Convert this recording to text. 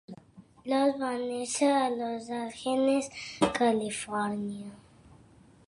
Lohr va néixer a Los Angeles, Califòrnia.